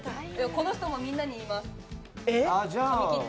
この人もみんなに言います。